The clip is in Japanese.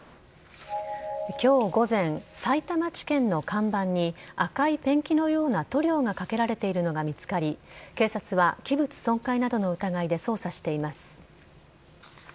きょう午前、さいたま地検の看板に、赤いペンキのような塗料がかけられているのが見つかり、警察は器物損壊などの疑いで捜査しています。